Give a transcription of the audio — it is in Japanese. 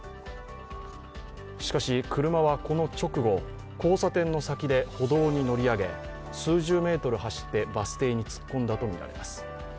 しかし、車はこの直後、交差点の先で歩道に乗り上げ、数十メートル走ってバス停に突っ込んだとみられます。